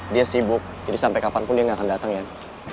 dia sibuk jadi sampe kapanpun dia nggak akan dateng jan